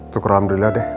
syukur alhamdulillah deh